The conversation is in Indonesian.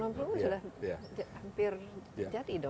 enam puluh sudah hampir jadi dong